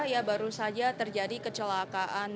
ya baru saja terjadi kecelakaan